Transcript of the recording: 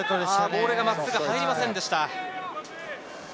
ボールが真っすぐ入りませんでした。